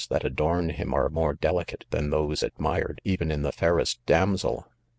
that • adorn him are rnore delicate than therms admired 'even in the fairest damsel !